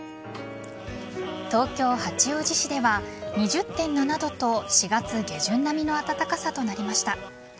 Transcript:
東京・八王子市では２０．７度と４月下旬並みの暖かさとなりました。